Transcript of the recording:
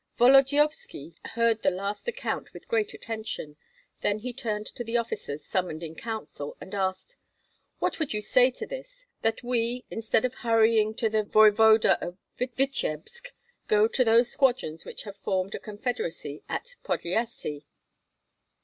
Volodyovski heard the last account with great attention; then he turned to the officers summoned in counsel, and asked, "What would you say to this, that we, instead of hurrying to the voevoda of Vityebsk, go to those squadrons which have formed a confederacy in Podlyasye?"